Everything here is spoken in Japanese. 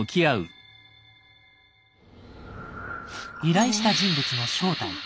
依頼した人物の正体。